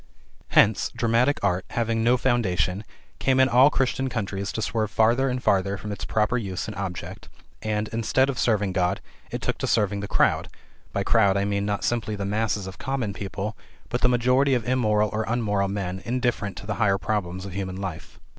Hence, dramatic art, having no foundation, came in all Christian countries to swerve farther and farther from its proper use and object, and, instead of serving God, it took to serving the crowd (by crowd, I mean, not simply the masses of common people, but the majority of immoral or unmoral men, indifferent to the higher problems of human life).